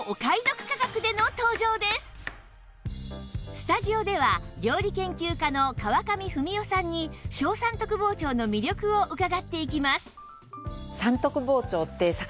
スタジオでは料理研究家の川上文代さんに小三徳包丁の魅力を伺っていきます